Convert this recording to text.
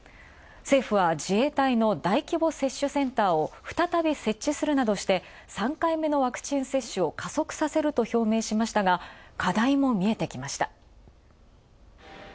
政府は自衛隊の大規模接種センターを再び設置するなどして、３回目のワクチン接種を加速させると表明しましたが、課題も見えてきました。